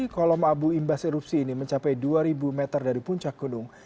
kolom abu imbas erupsi ini mencapai dua ribu meter dari puncak gunung